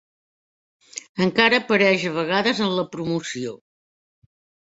Encara apareix a vegades en la promoció.